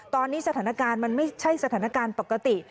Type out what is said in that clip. ตอนนี้สถานการณ์มันไม่ใช่สถานการณ์ปกติ